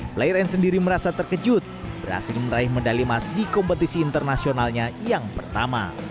fleiren sendiri merasa terkejut berhasil meraih medali mas di kompetisi internasionalnya yang pertama